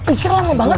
pikir lama banget